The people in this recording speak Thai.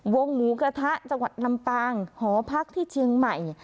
วงหมูกระทะจังหวัดลำปางหอพักที่เชียงใหม่